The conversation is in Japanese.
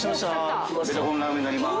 ベトコンラーメンになります。